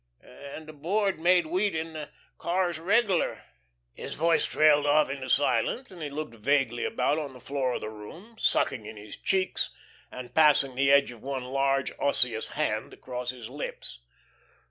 And the Board made wheat in the cars 'regular.'" His voice trailed off into silence, and he looked vaguely about on the floor of the room, sucking in his cheeks, and passing the edge of one large, osseous hand across his lips.